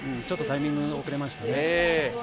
ちょっとタイミング遅れましたね。